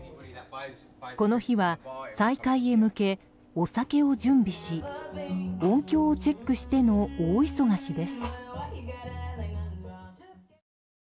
この日は再開へ向けお酒を準備し音響をチェックしての大忙しです。